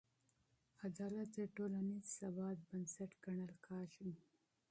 عدالت د ټولنیز ثبات بنسټ ګڼل کېږي.